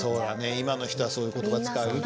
今の人はそういう言葉使うよね。